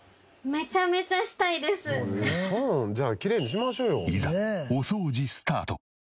じゃあきれいにしましょうよ。